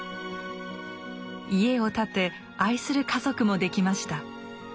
家を建て愛する家族もできました。